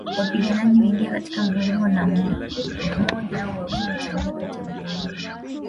Wapiganaji huingia katika mviringo na moja au wawili wataingia kati ya mviringo